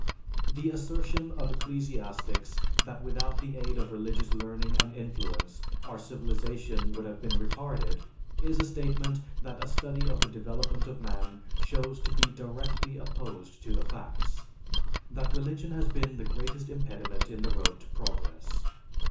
The assertion of ecclesiastics that without the aid of religious learning and influence our civilization would have been retarded is a statement that a study of the development of man shows to be directly opposed to the facts; that religion has been the greatest impediment in the road to progress.